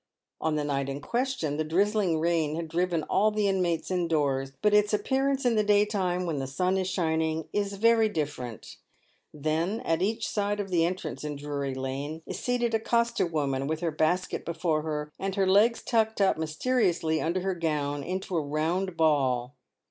On the night in question the drizzling rain had driven all the inmates in doors ; but its appearance in the daytime, when the sun is shining, is very different. Then at each side of the entrance in Dury lane is seated a costerwoman with her basket before her, and her legs tucked up mysteriously under her gown into a round ball.